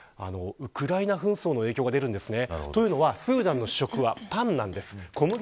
ウクライナ紛争の影響が出るんですね。